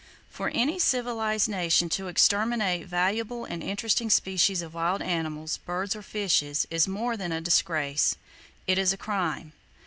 For any civilized nation to exterminate valuable and interesting species of wild mammals, birds or fishes is more than a disgrace. It is a crime!